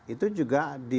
itu juga dia